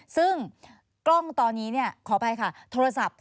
ซึ่งกล้องตอนนี้ขออภัยค่ะโทรศัพท์